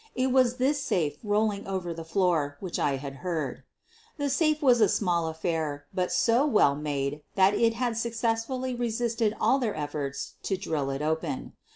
It was this safe rolling over the floor which I had heard. The safe was a small affair, but so well made that it had successfully resisted all their efforts to drillj it open.